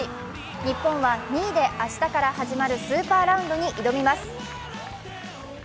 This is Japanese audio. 日本は２位で明日から始まるスーパーラウンドに挑みます。